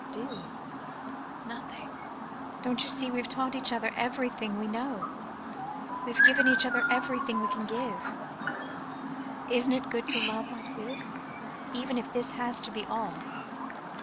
"Do? Nothing. Don't you see we've taught each other everything we know. We've given each other everything we can give. Isn't it good to love like this even if this has to be all?"